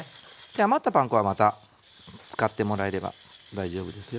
余ったパン粉はまた使ってもらえれば大丈夫ですよ。